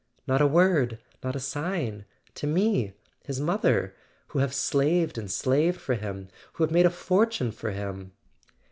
"Not a word, not a sign—to me, his mother, who have slaved and slaved for him, who have made a for¬ tune for him!